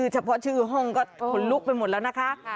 เฉพาะชื่อห้องก็ขนลุกไปหมดแล้วนะคะ